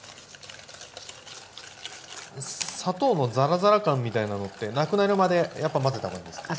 砂糖のざらざら感みたいなのってなくなるまでやっぱ混ぜた方がいいんですか？